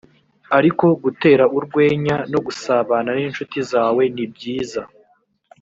ariko gutera urwenya no gusabana n’incuti zawe ni byiza